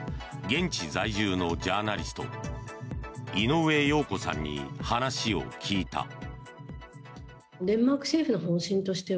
現地在住のジャーナリスト井上陽子さんに話を聞いた。